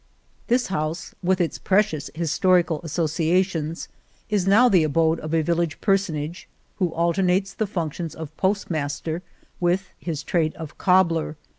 This house, with its precious historical associations, is now the abode of a village personage who alternates the functions of postmaster with his trade of cobbler.